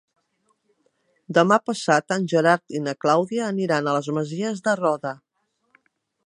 Demà passat en Gerard i na Clàudia aniran a les Masies de Roda.